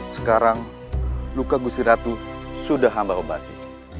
sekarang luka gusiratu sudah hamba obati